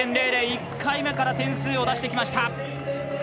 １回目から点数を出してきました。